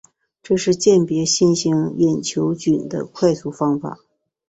这是鉴别新型隐球菌的快速方法。